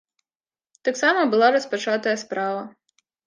Таксама была распачатая справа.